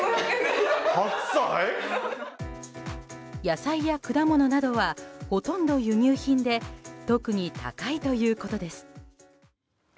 野菜や果物などはほとんど輸入品で特に高いということです。